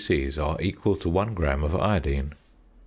c. are equal to 1 gram of iodine.